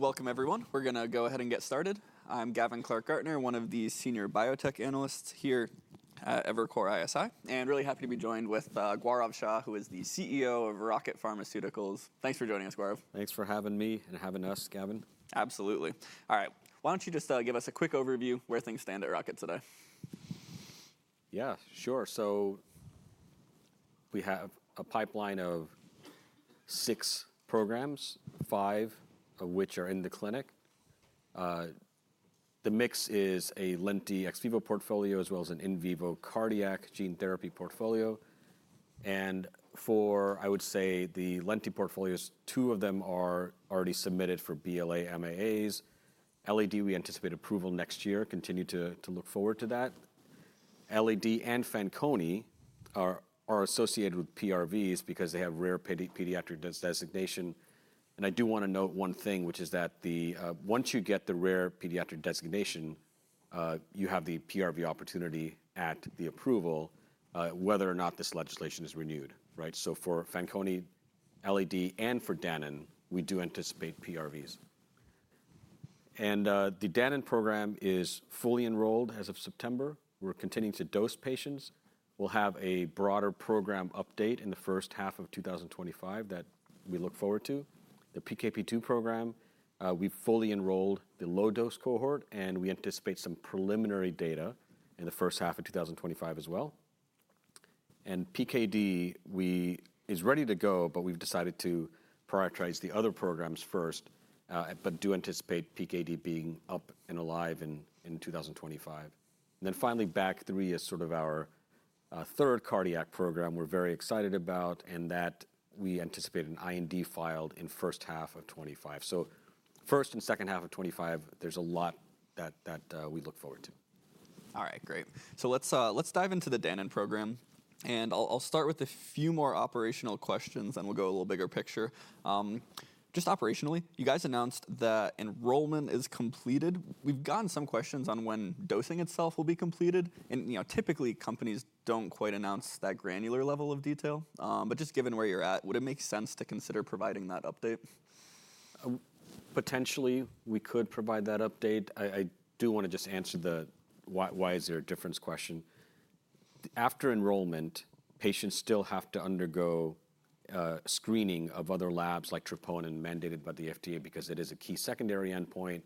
Welcome, everyone. We're going to go ahead and get started. I'm Gavin Clark-Gartner, one of the senior biotech analysts here at Evercore ISI, and really happy to be joined with Gaurav Shah, who is the CEO of Rocket Pharmaceuticals. Thanks for joining us, Gaurav. Thanks for having me and having us, Gavin. Absolutely. All right, why don't you just give us a quick overview of where things stand at Rocket today? Yeah, sure. So we have a pipeline of six programs, five of which are in the clinic. The mix is a lenti ex vivo portfolio as well as an in vivo cardiac gene therapy portfolio. And for, I would say, the lenti portfolios, two of them are already submitted for BLA MAAs. LAD, we anticipate approval next year, continue to look forward to that. LAD and Fanconi are associated with PRVs because they have rare pediatric designation. And I do want to note one thing, which is that once you get the rare pediatric designation, you have the PRV opportunity at the approval, whether or not this legislation is renewed, right? So for Fanconi, LAD, and for Danon, we do anticipate PRVs. And the Danon program is fully enrolled as of September. We're continuing to dose patients. We'll have a broader program update in the first half of 2025 that we look forward to. The PKP2 program, we've fully enrolled the low-dose cohort, and we anticipate some preliminary data in the first half of 2025 as well. And PKD, we are ready to go, but we've decided to prioritize the other programs first, but do anticipate PKD being up and alive in 2025. And then finally, BAG3 is sort of our third cardiac program we're very excited about, and that we anticipate an IND filed in the first half of 2025. So first and second half of 2025, there's a lot that we look forward to. All right, great. So let's dive into the Danon program. And I'll start with a few more operational questions, and we'll go a little bigger picture. Just operationally, you guys announced that enrollment is completed. We've gotten some questions on when dosing itself will be completed. And typically, companies don't quite announce that granular level of detail. But just given where you're at, would it make sense to consider providing that update? Potentially, we could provide that update. I do want to just answer the why is there a difference question. After enrollment, patients still have to undergo screening of other labs like troponin mandated by the FDA because it is a key secondary endpoint.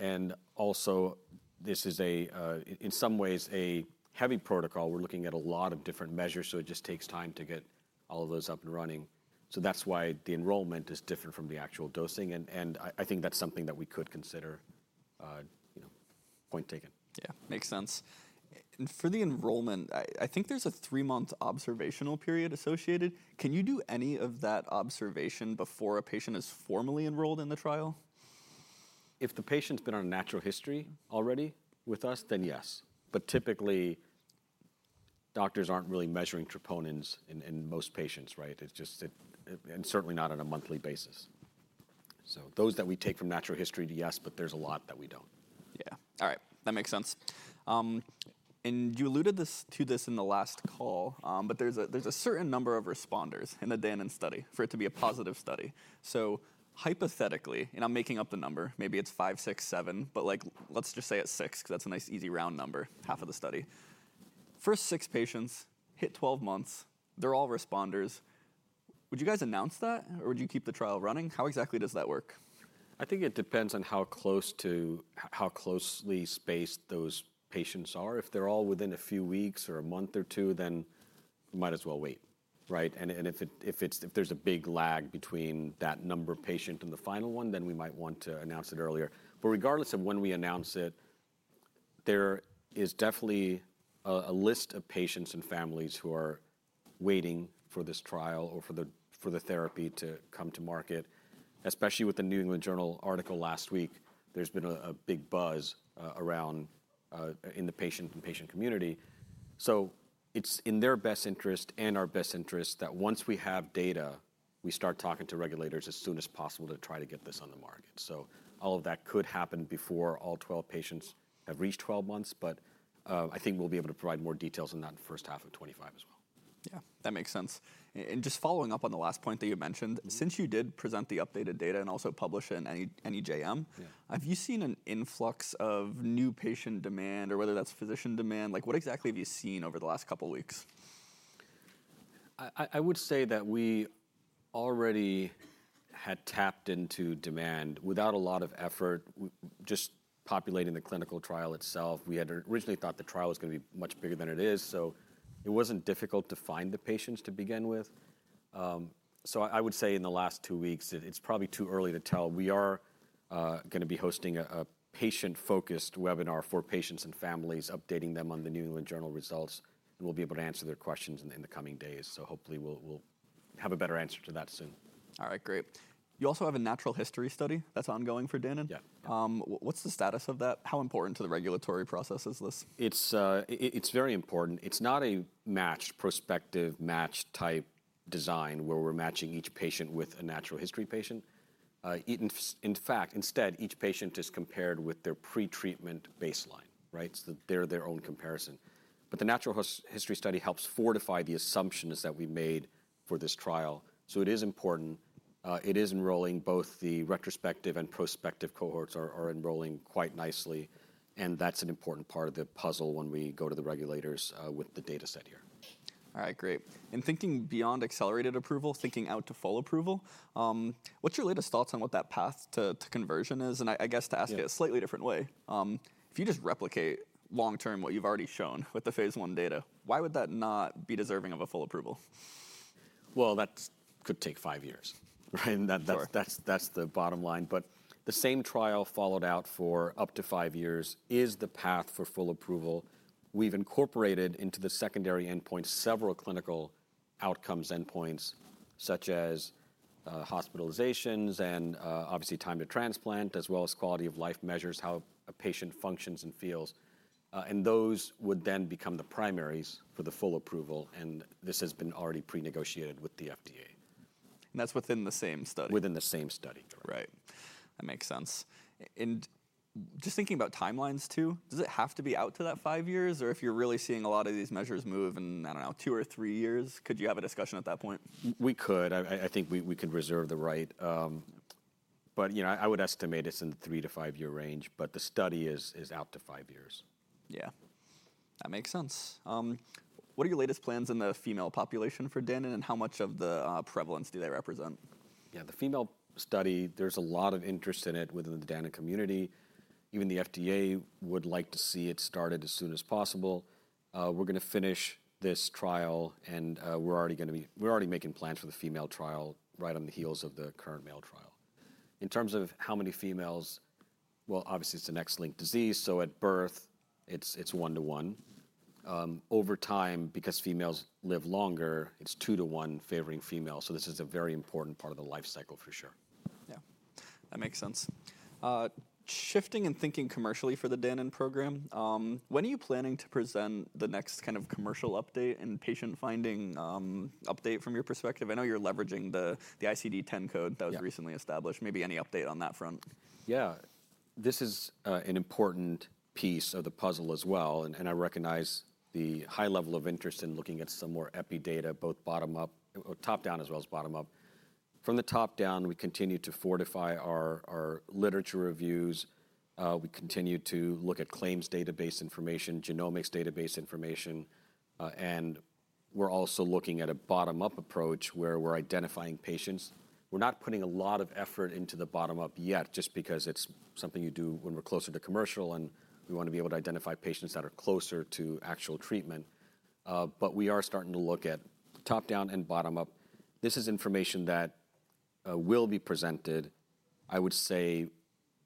And also, this is, in some ways, a heavy protocol. We're looking at a lot of different measures, so it just takes time to get all of those up and running. So that's why the enrollment is different from the actual dosing. And I think that's something that we could consider point taken. Yeah, makes sense and for the enrollment, I think there's a three-month observational period associated. Can you do any of that observation before a patient is formally enrolled in the trial? If the patient's been on a natural history already with us, then yes. But typically, doctors aren't really measuring troponins in most patients, right? And certainly not on a monthly basis. So those that we take from natural history, yes, but there's a lot that we don't. Yeah. All right, that makes sense. And you alluded to this in the last call, but there's a certain number of responders in the Danon study for it to be a positive study. So hypothetically, and I'm making up the number, maybe it's five, six, seven, but let's just say it's six because that's a nice easy round number, half of the study. First six patients hit 12 months. They're all responders. Would you guys announce that, or would you keep the trial running? How exactly does that work? I think it depends on how close spaced those patients are. If they're all within a few weeks or a month or two, then we might as well wait, right? And if there's a big lag between that number of patients and the final one, then we might want to announce it earlier. But regardless of when we announce it, there is definitely a list of patients and families who are waiting for this trial or for the therapy to come to market. Especially with the New England Journal of Medicine article last week, there's been a big buzz in the patient and patient community. So it's in their best interest and our best interest that once we have data, we start talking to regulators as soon as possible to try to get this on the market. So all of that could happen before all 12 patients have reached 12 months, but I think we'll be able to provide more details on that in the first half of 2025 as well. Yeah, that makes sense. And just following up on the last point that you mentioned, since you did present the updated data and also publish it in NEJM, have you seen an influx of new patient demand or whether that's physician demand? What exactly have you seen over the last couple of weeks? I would say that we already had tapped into demand without a lot of effort, just populating the clinical trial itself. We had originally thought the trial was going to be much bigger than it is, so it wasn't difficult to find the patients to begin with. So I would say in the last two weeks, it's probably too early to tell. We are going to be hosting a patient-focused webinar for patients and families, updating them on the New England Journal results, and we'll be able to answer their questions in the coming days. So hopefully, we'll have a better answer to that soon. All right, great. You also have a natural history study that's ongoing for Danon. Yeah. What's the status of that? How important to the regulatory process is this? It's very important. It's not a matched prospective match type design where we're matching each patient with a natural history patient. In fact, instead, each patient is compared with their pretreatment baseline, right? So they're their own comparison. But the natural history study helps fortify the assumptions that we made for this trial. So it is important. It is enrolling. Both the retrospective and prospective cohorts are enrolling quite nicely. And that's an important part of the puzzle when we go to the regulators with the data set here. All right, great and thinking beyond accelerated approval, thinking out to full approval, what's your latest thoughts on what that path to conversion is? And I guess to ask it a slightly different way, if you just replicate long-term what you've already shown with the phase one data, why would that not be deserving of a full approval? Well, that could take five years, right? That's the bottom line. But the same trial followed out for up to five years is the path for full approval. We've incorporated into the secondary endpoint several clinical outcomes endpoints, such as hospitalizations and obviously time to transplant, as well as quality of life measures, how a patient functions and feels. And those would then become the primaries for the full approval. And this has been already pre-negotiated with the FDA. That's within the same study? Within the same study, right? That makes sense, and just thinking about timelines too, does it have to be out to that five years? Or if you're really seeing a lot of these measures move in, I don't know, two or three years, could you have a discussion at that point? We could. I think we could reserve the right, but I would estimate it's in the three to five-year range, but the study is out to five years. Yeah, that makes sense. What are your latest plans in the female population for Danon, and how much of the prevalence do they represent? Yeah, the female study, there's a lot of interest in it within the Danon community. Even the FDA would like to see it started as soon as possible. We're going to finish this trial, and we're already making plans for the female trial right on the heels of the current male trial. In terms of how many females, well, obviously it's an X-linked disease, so at birth, it's one to one. Over time, because females live longer, it's two to one favoring female. So this is a very important part of the life cycle for sure. Yeah, that makes sense. Shifting and thinking commercially for the Danon program, when are you planning to present the next kind of commercial update and patient-finding update from your perspective? I know you're leveraging the ICD-10 code that was recently established. Maybe any update on that front? Yeah, this is an important piece of the puzzle as well. And I recognize the high level of interest in looking at some more epi data, both bottom up, top down as well as bottom up. From the top down, we continue to fortify our literature reviews. We continue to look at claims database information, genomics database information. And we're also looking at a bottom-up approach where we're identifying patients. We're not putting a lot of effort into the bottom-up yet, just because it's something you do when we're closer to commercial, and we want to be able to identify patients that are closer to actual treatment. But we are starting to look at top down and bottom up. This is information that will be presented, I would say,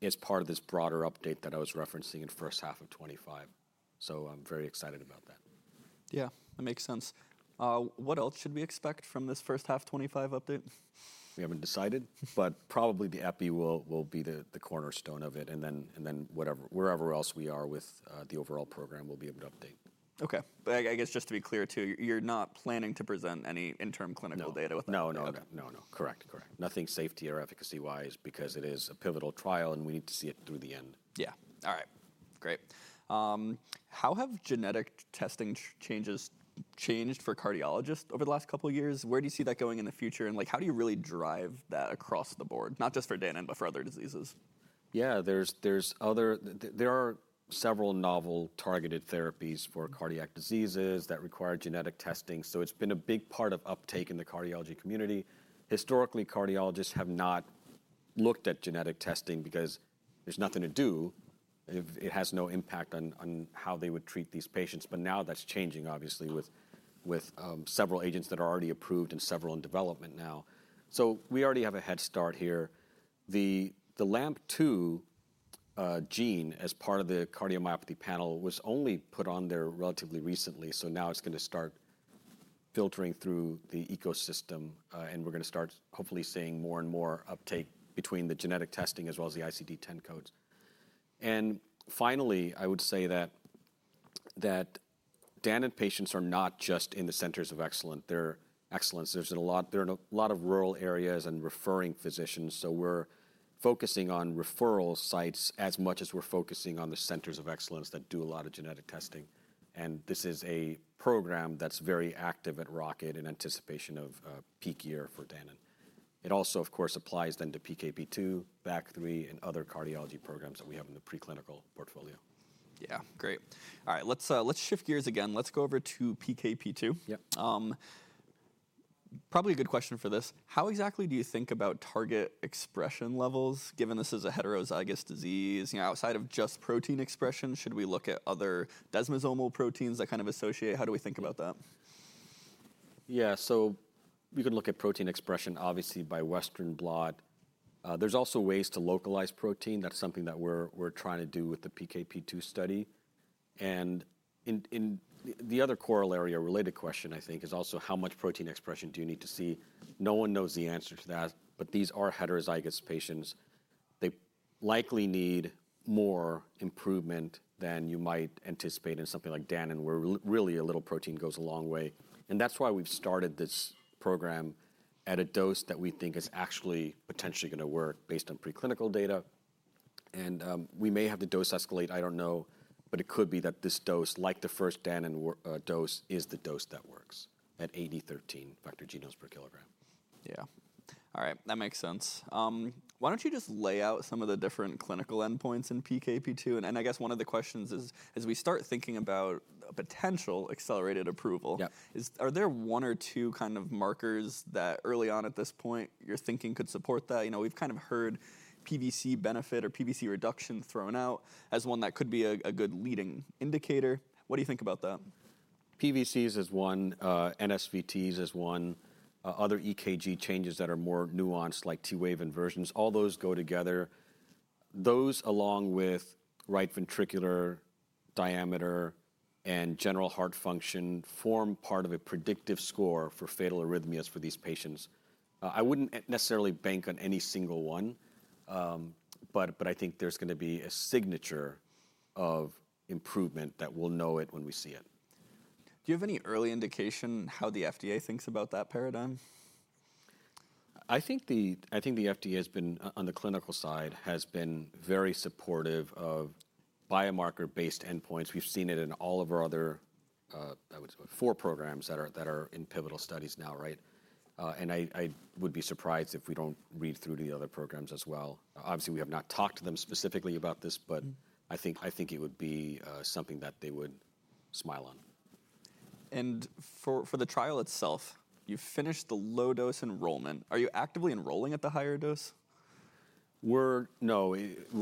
as part of this broader update that I was referencing in the first half of 2025. I'm very excited about that. Yeah, that makes sense. What else should we expect from this first half 2025 update? We haven't decided, but probably the epi will be the cornerstone of it and then wherever else we are with the overall program, we'll be able to update. Okay. But I guess just to be clear too, you're not planning to present any interim clinical data with that? No, no, no, no, no. Correct, correct. Nothing safety or efficacy-wise because it is a pivotal trial, and we need to see it through the end. Yeah. All right, great. How have genetic testing changes for cardiologists over the last couple of years? Where do you see that going in the future? And how do you really drive that across the board, not just for Danon, but for other diseases? Yeah, there are several novel targeted therapies for cardiac diseases that require genetic testing. So it's been a big part of uptake in the cardiology community. Historically, cardiologists have not looked at genetic testing because there's nothing to do. It has no impact on how they would treat these patients. But now that's changing, obviously, with several agents that are already approved and several in development now. So we already have a head start here. The LAMP2 gene, as part of the cardiomyopathy panel, was only put on there relatively recently. So now it's going to start filtering through the ecosystem. And we're going to start hopefully seeing more and more uptake between the genetic testing as well as the ICD-10 codes. And finally, I would say that Danon patients are not just in the centers of excellence. There's a lot of rural areas and referring physicians. So we're focusing on referral sites as much as we're focusing on the centers of excellence that do a lot of genetic testing. And this is a program that's very active at Rocket in anticipation of peak year for Danon. It also, of course, applies then to PKP2, BAG3, and other cardiology programs that we have in the preclinical portfolio. Yeah, great. All right, let's shift gears again. Let's go over to PKP2. Probably a good question for this. How exactly do you think about target expression levels, given this is a heterozygous disease? Outside of just protein expression, should we look at other desmosomal proteins that kind of associate? How do we think about that? Yeah, so we could look at protein expression, obviously, by Western blot. There's also ways to localize protein. That's something that we're trying to do with the PKP2 study. And the other corollary or related question, I think, is also how much protein expression do you need to see? No one knows the answer to that, but these are heterozygous patients. They likely need more improvement than you might anticipate in something like Danon, where really a little protein goes a long way. And that's why we've started this program at a dose that we think is actually potentially going to work based on preclinical data. And we may have the dose escalate, I don't know, but it could be that this dose, like the first Danon dose, is the dose that works at 8e13 vector genomes per kilogram. Yeah. All right, that makes sense. Why don't you just lay out some of the different clinical endpoints in PKP2? And I guess one of the questions is, as we start thinking about a potential accelerated approval, are there one or two kind of markers that early on at this point you're thinking could support that? We've kind of heard PVC benefit or PVC reduction thrown out as one that could be a good leading indicator. What do you think about that? PVCs as one, NSVTs as one, other EKG changes that are more nuanced, like T-wave inversions, all those go together. Those, along with right ventricular diameter and general heart function, form part of a predictive score for fatal arrhythmias for these patients. I wouldn't necessarily bank on any single one, but I think there's going to be a signature of improvement that we'll know it when we see it. Do you have any early indication how the FDA thinks about that paradigm? I think the FDA has been, on the clinical side, very supportive of biomarker-based endpoints. We've seen it in all of our other, I would say, four programs that are in pivotal studies now, right? And I would be surprised if we don't read through to the other programs as well. Obviously, we have not talked to them specifically about this, but I think it would be something that they would smile on. And for the trial itself, you finished the low dose enrollment. Are you actively enrolling at the higher dose? No,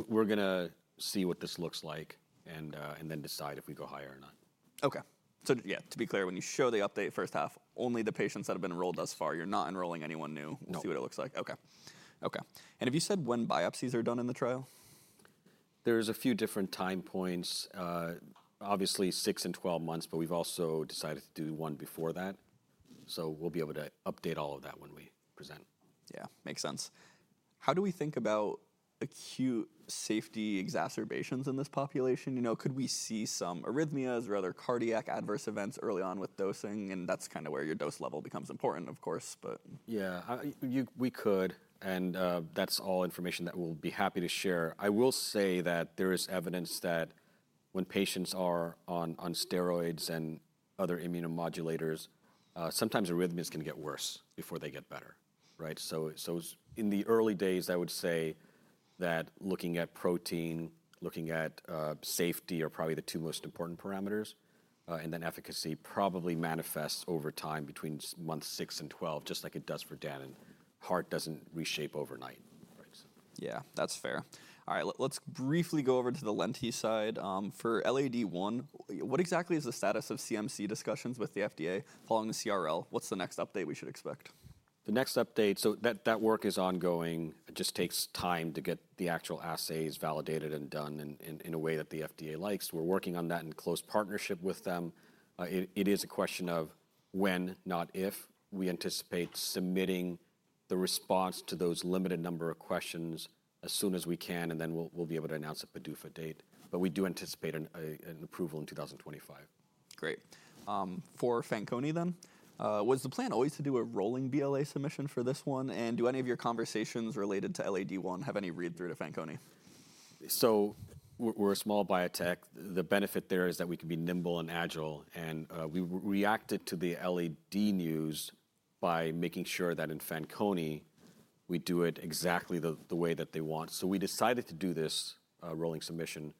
we're going to see what this looks like and then decide if we go higher or not. Okay. So yeah, to be clear, when you show the update first half, only the patients that have been enrolled thus far, you're not enrolling anyone new. We'll see what it looks like. No. Okay, and have you said when biopsies are done in the trial? There's a few different time points, obviously six and 12 months, but we've also decided to do one before that, so we'll be able to update all of that when we present. Yeah, makes sense. How do we think about acute safety exacerbations in this population? Could we see some arrhythmias or other cardiac adverse events early on with dosing? And that's kind of where your dose level becomes important, of course, but. Yeah, we could. And that's all information that we'll be happy to share. I will say that there is evidence that when patients are on steroids and other immunomodulators, sometimes arrhythmias can get worse before they get better, right? So in the early days, I would say that looking at protein, looking at safety are probably the two most important parameters. And then efficacy probably manifests over time between month six and 12, just like it does for Danon. Heart doesn't reshape overnight. Yeah, that's fair. All right, let's briefly go over to the Lenti side. For LAD-I, what exactly is the status of CMC discussions with the FDA following the CRL? What's the next update we should expect? The next update, so that work is ongoing. It just takes time to get the actual assays validated and done in a way that the FDA likes. We're working on that in close partnership with them. It is a question of when, not if. We anticipate submitting the response to those limited number of questions as soon as we can, and then we'll be able to announce a PDUFA date. But we do anticipate an approval in 2025. Great. For Fanconi then, was the plan always to do a rolling BLA submission for this one? And do any of your conversations related to LAD-I have any read-through to Fanconi? So we're a small biotech. The benefit there is that we can be nimble and agile. And we reacted to the LAD news by making sure that in Fanconi, we do it exactly the way that they want. So we decided to do this rolling submission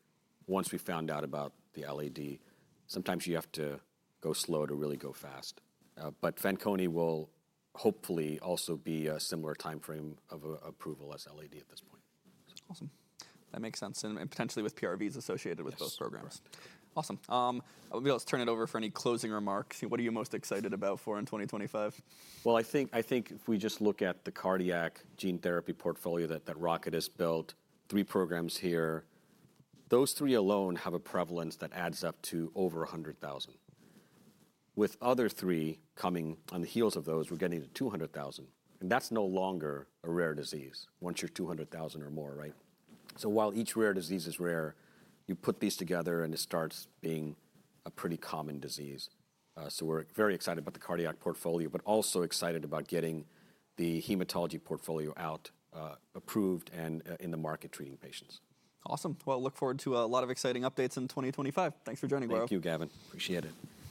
once we found out about the LAD. Sometimes you have to go slow to really go fast. But Fanconi will hopefully also be a similar timeframe of approval as LAD at this point. Awesome. That makes sense. And potentially with PRVs associated with those programs. Awesome. Let's turn it over for any closing remarks. What are you most excited about in 2025? I think if we just look at the cardiac gene therapy portfolio that Rocket has built, three programs here, those three alone have a prevalence that adds up to over 100,000. With other three coming on the heels of those, we're getting to 200,000. And that's no longer a rare disease once you're 200,000 or more, right? So while each rare disease is rare, you put these together and it starts being a pretty common disease. So we're very excited about the cardiac portfolio, but also excited about getting the hematology portfolio out approved and in the market treating patients. Awesome. Well, look forward to a lot of exciting updates in 2025. Thanks for joining, Gaurav Thank you, Gavin. Appreciate it.